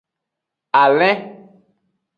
Alin.